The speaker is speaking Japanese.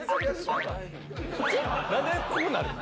なんでこうなるの？